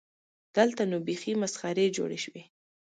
دلته نو بیخي مسخرې جوړې شوې.